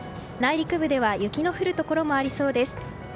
内陸部では雪の降るところもありそうです。